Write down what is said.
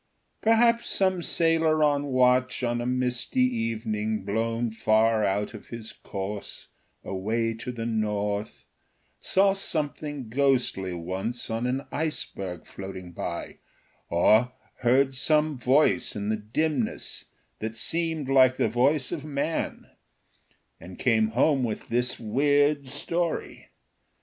Perhaps some sailor on watch on a misty evening blown far out of his course away to the north saw something ghostly once on an iceberg floating by, or heard some voice in the dimness that seemed like the voice of man, and came home with this weird story.